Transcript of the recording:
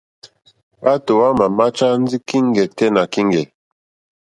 Hwátò hwámà máchá ndí kíŋgɛ̀ tɛ́ nà kíŋgɛ̀.